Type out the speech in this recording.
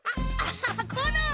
コロン！